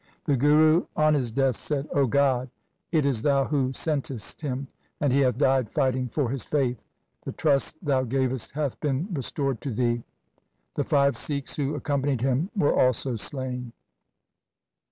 The Guru on his death said, ' 0 God, it is Thou who sentest him, and he hath died fighting for his faith. The trust Thou gavest hath been restored to Thee.' The five Sikhs who accompanied him were also slain.